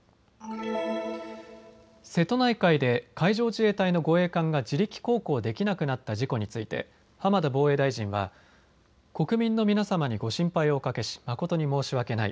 瀬戸内海で海上自衛隊の護衛艦が自力航行できなくなった事故について浜田防衛大臣は国民の皆様にご心配をおかけし誠に申し訳ない。